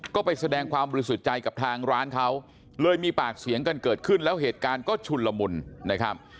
ก็ไปแสดงความบริสุทธิ์ใจกับทางร้านเขาเลยมีปากเสียงกันเกิดขึ้นแล้วเหตุการณ์ก็ชุนละมุนนะครับ